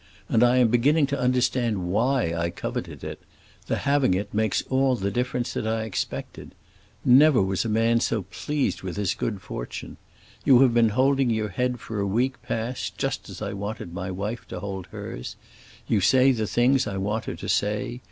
And I am beginning to understand why I coveted it; the having it makes all the difference that I expected. Never was a man so pleased with his good fortune. You have been holding your head for a week past just as I wanted my wife to hold hers. You say just the things I want her to say.